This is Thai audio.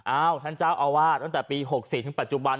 อ้าวท่านเจ้าอะวาตตับปี๖๔ทุ่งปัจจุบัน